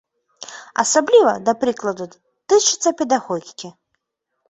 Асабліва, да прыкладу, тычыцца педагогікі.